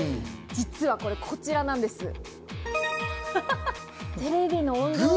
実はこちらなんです。